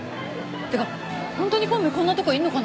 てかホントに孔明こんなとこいんのかな？